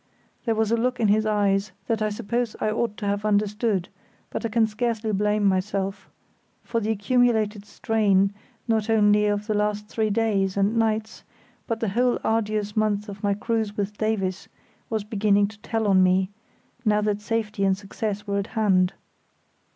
There was a look in his eyes that I suppose I ought to have understood, but I can scarcely blame myself, for the accumulated strain, not only of the last three days and nights, but of the whole arduous month of my cruise with Davies, was beginning to tell on me, now that safety and success were at hand.